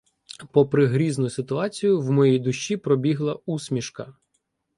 Попри грізну ситуацію, в моїй душі пробігла усмішка.